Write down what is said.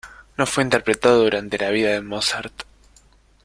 No fue interpretado durante la vida de Mozart.